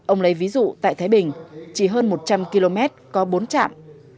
ông lấy ví dụ tại thái bình chỉ hơn một trăm linh km có bốn trạm